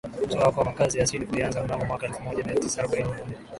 kutoka kwa makazi ya asili kulianza mnamo mwaka elfumoja miatisa arobaini na nne